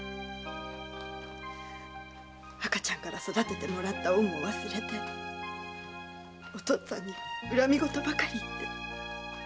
赤ちゃんから育ててもらった恩も忘れてお父っつぁんに恨み言ばかり言って。